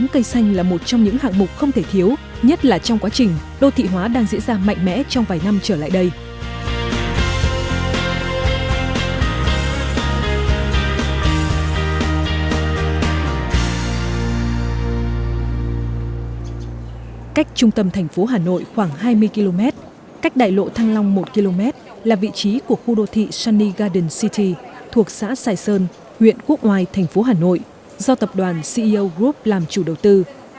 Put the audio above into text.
cách trung tâm thành phố hà nội khoảng hai mươi km cách đại lộ thăng long một km là vị trí của khu đô thị sunny garden city thuộc xã sài sơn huyện quốc ngoài thành phố hà nội do tập đoàn ceo group làm chủ đầu tư